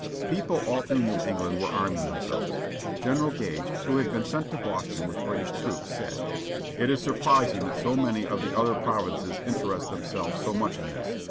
People all through New England were arming themselves. General Gage, who had been sent to Boston with British troops, said: "It is surprising that so many of the other provinces interest themselves so much in this.